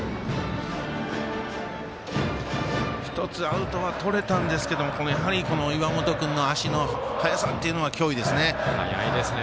１つアウトはとれたんですがこの岩本君の足の速さは脅威ですね。